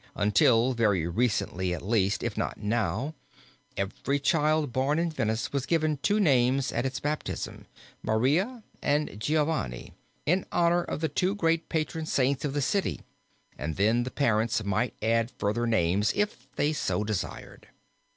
Until very recently at least, if not now, every child born in Venice was given two names at its baptism Maria and Giovanni in honor of the two great patron saints of the city and then the parents might add further names if they so desired.